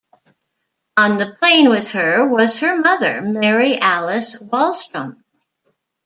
On the plane with her was her mother, Mary Alice Wahlstrom.